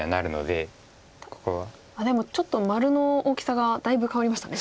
でもちょっと丸の大きさがだいぶ変わりましたね。